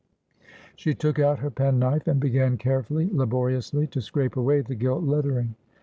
She took out her penknife and began carefully, laboriously, to scrape away the gilt lettering.